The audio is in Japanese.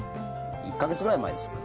１か月ぐらい前ですか。